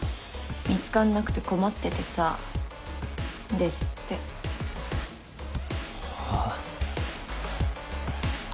「見つかんなくて困っててさー」ですってあ？